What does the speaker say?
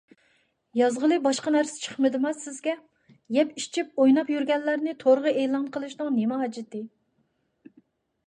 يازغىلى باشقا نەرسە چىقمىدىما سىزگە؟ يەپ-ئىچىپ ئويناپ يۈرگەنلەرنى تورغا ئېلان قىلىشنىڭ نېمە ھاجىتى؟